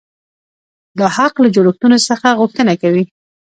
دا حق له جوړښتونو څخه غوښتنه کوي.